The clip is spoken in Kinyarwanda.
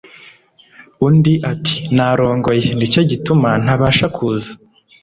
Undi ati: Narongoye, nicyo gituma ntabasha kuza.